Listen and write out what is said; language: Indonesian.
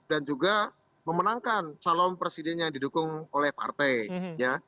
dan juga memenangkan calon presiden yang didukung oleh partai ya